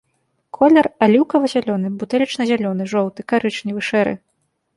Колер аліўкава-зялёны, бутэлечна-зялёны, жоўты, карычневы, шэры.